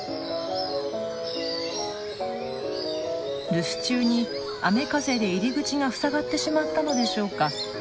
留守中に雨風で入り口が塞がってしまったのでしょうか？